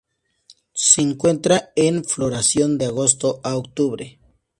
Se encuentra en floración de agosto a octubre.